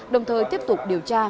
đồng thời tiếp tục điều tra